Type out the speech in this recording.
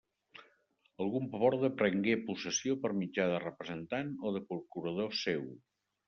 Algun paborde prengué possessió per mitjà de representant o de procurador seu.